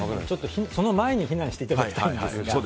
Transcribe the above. その前に避難していただきたいんですが。